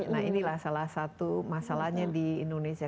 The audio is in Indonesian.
nah inilah salah satu masalahnya di indonesia